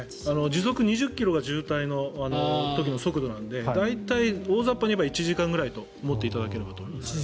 時速２０ｋｍが渋滞の時の速度なので大体大雑把に言えば１時間ぐらいと思っていただければ。